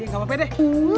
gak apa apa deh